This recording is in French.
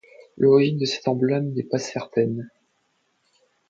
L'origine de cet emblème n'est pas certaine.